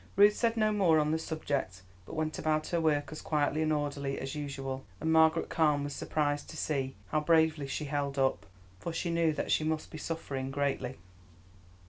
Ruth said no more on the subject, but went about her work as quietly and orderly as usual, and Margaret Carne was surprised to see how bravely she held up, for she knew that she must be suffering greatly.